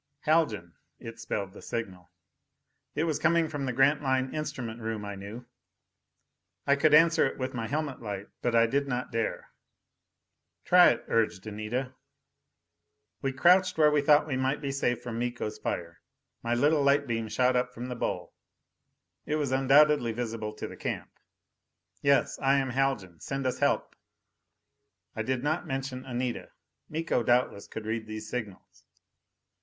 Haljan. It spelled the signal. It was coming from the Grantline instrument room, I knew. I could answer it with my helmet light, but I did not dare. "Try it," urged Anita. We crouched where we thought we might be safe from Miko's fire. My little light beam shot up from the bowl. It was undoubtedly visible to the camp. Yes, I am Haljan. Send us help. I did not mention Anita. Miko doubtless could read these signals.